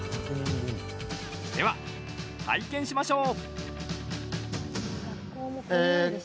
では、拝見しましょう。